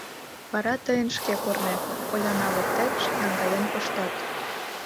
— Вара тыйын шке корнет — Оляна воктек наҥгаен пыштат.